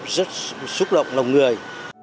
rất xúc động lòng người